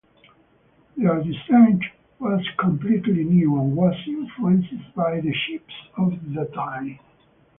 Their design was completely new and was influenced by the ships of the time.